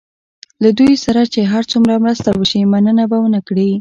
له دوی سره چې هر څومره مرسته وشي مننه به ونه کړي.